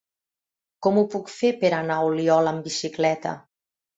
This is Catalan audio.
Com ho puc fer per anar a Oliola amb bicicleta?